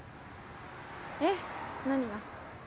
えっ？何が？